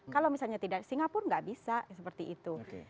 kalau misalnya tidak singapura nggak bisa seperti itu